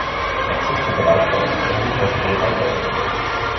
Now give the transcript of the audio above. Access to the lighthouse is only possible by boat.